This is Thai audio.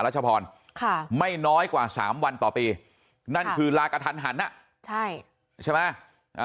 พรค่ะไม่น้อยกว่าสามวันต่อปีนั่นคือลากระทันหันอ่ะใช่ใช่ไหม